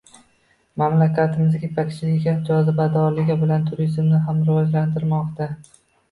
Mamlakatimiz ipakchiligi jozibadorligi bilan turizmni ham rivojlantirmoqda